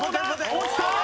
落ちた！